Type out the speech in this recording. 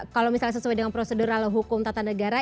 kalau misalnya sesuai dengan prosedural hukum tata negara